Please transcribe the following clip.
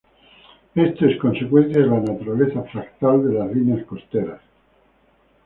Esto es consecuencia de la naturaleza fractal de las líneas costeras.